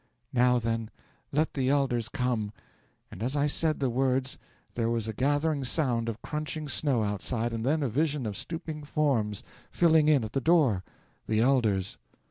'"Now, then, let the elders come!" and as I said the words there was a gathering sound of crunching snow outside, and then a vision of stooping forms filing in at the door the elders.